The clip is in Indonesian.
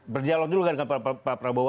berdialog juga dengan pak prabowo